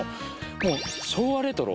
もう昭和レトロ